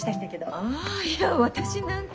あいや私なんか。